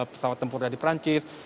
pesawat tempur dari perancis